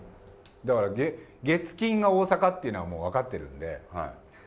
だから、月、金が大阪っていうのはもう分かってるんで。